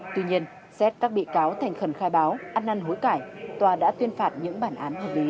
tuy nhiên xét các bị cáo thành khẩn khai báo ăn năn hối cải tòa đã tuyên phạt những bản án hợp lý